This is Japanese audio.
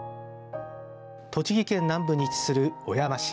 栃木県南部に位置する小山市。